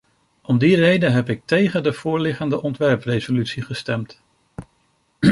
Om die reden heb ik tegen de voorliggende ontwerpresolutie gestemd.